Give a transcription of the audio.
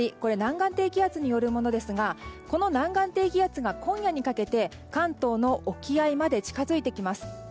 南岸低気圧によるものですがこの南岸低気圧が今夜にかけて関東の沖合まで近づいてきます。